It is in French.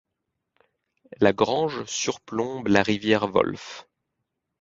La Grange surplombe la rivière Wolf.